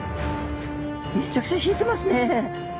めちゃくちゃ引いてますね。